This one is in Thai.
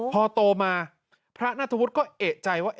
พอโตมาพระนัทวุฒิก็เอกใจว่า